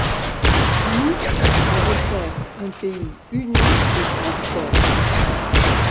Nous, on veut faire un pays uni et prospère.